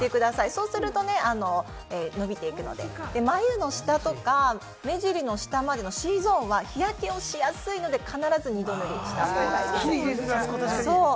そうするとね、伸びていくので、眉の下とか目尻の下のＣゾーンは日焼けをしやすいので、必ず塗ったほうがいいです。